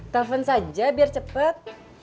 telepon saja biar cepet